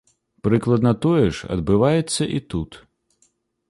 Прыкладна тое ж адбываецца і тут.